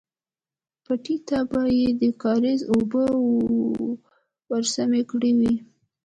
پټي ته به يې د کاريز اوبه ورسمې کړې وې.